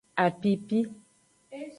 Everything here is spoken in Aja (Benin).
Apipi.